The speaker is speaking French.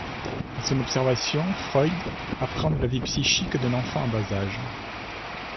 À son observation, Freud appréhende la vie psychique d’un enfant en bas âge.